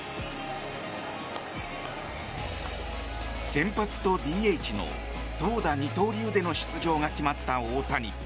先発とＤＨの投打二刀流での出場が決まった大谷。